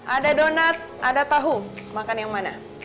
ada donat ada tahu makan yang mana